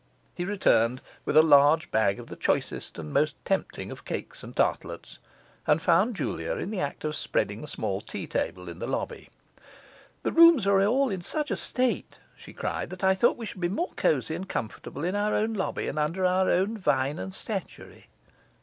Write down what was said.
He returned with a large bag of the choicest and most tempting of cakes and tartlets, and found Julia in the act of spreading a small tea table in the lobby. 'The rooms are all in such a state,' she cried, 'that I thought we should be more cosy and comfortable in our own lobby, and under our own vine and statuary.